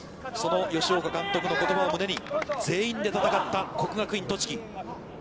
その吉岡監督の言葉を胸に全員で戦った国学院栃木。